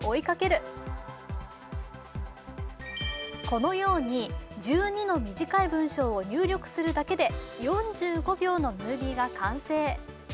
このように１２の短い文章を入力するだけで４５秒のムービーが完成。